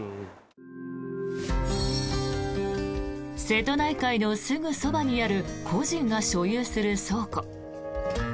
瀬戸内海のすぐそばにある個人が所有する倉庫。